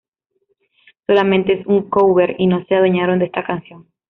Solamente es un cover y no se adueñaron de esta canción.